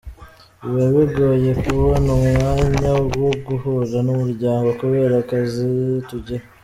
Biba bigoye kubona umwanya wo guhura n’umuryango kubera akazi tugira.